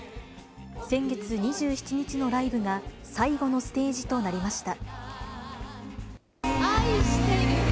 先月２７日のライブが最後のステージとなりました。